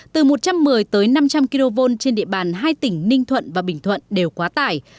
từ một trăm một mươi tới năm trăm linh kv trên địa bàn hai tỉnh ninh thuận và bình thuận đều quá tải